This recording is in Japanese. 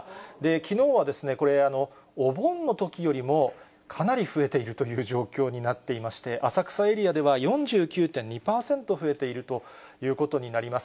きのうはこれ、お盆のときよりも、かなり増えているという状況になっていまして、浅草エリアでは４９．２％増えているということになります。